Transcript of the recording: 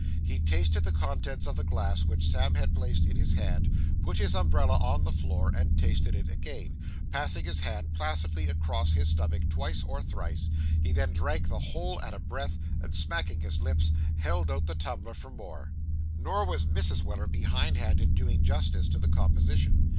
He tasted the contents of the glass which Sam had placed in his hand, put his umbrella on the floor, and tasted it again, passing his hand placidly across his stomach twice or thrice; he then drank the whole at a breath, and smacking his lips, held out the tumbler for more. Nor was Mrs. Weller behind hand in doing justice to the composition.